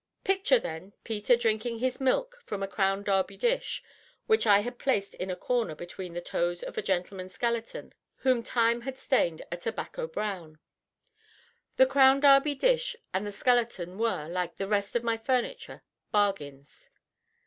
Picture, then, Peter drinking his milk from a Crown Derby dish which I had placed in a corner between the toes of a gentleman skeleton whom Time had stained a tobacco brown. The Crown Derby dish and the skeleton were, like the rest of my furniture, "bargains."